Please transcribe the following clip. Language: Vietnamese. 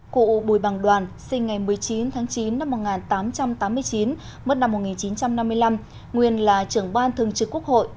cụ bùi bằng đoàn sinh ngày một mươi chín tháng chín năm một nghìn tám trăm tám mươi chín mất năm một nghìn chín trăm năm mươi năm nguyên là trưởng ban thường trực quốc hội